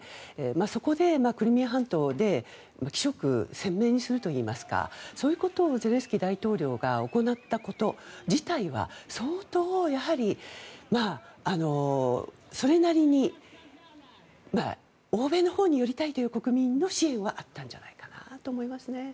そこでクリミア半島で旗色鮮明にするといいますかそういうことをゼレンスキー大統領が行ったこと自体は相当、それなりに欧米のほうに寄りたいという国民の支援はあったんじゃないかなと思いますね。